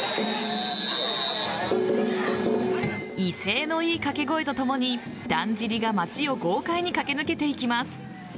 威勢のいい掛け声とともにだんじりが街を豪快に駆け抜けていきます。